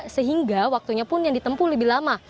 sehingga waktunya pun yang ditempuh lebih lama